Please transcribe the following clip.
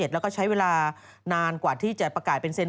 แล้วก็ใช้เวลานานกว่าที่จะประกาศเป็นเซ็น